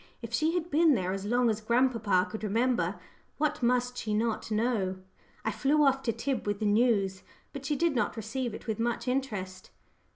If she had been there as long as grandpapa could remember, what must she not know? I flew off to Tib with the news, but she did not receive it with much interest.